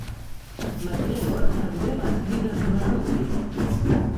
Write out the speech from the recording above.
MacGregor també va escriure sobre rugbi.